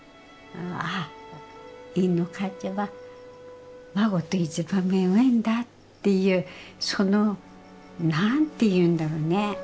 ああかっちゃはわごと一番めごいんだっていうその何ていうんだろうね。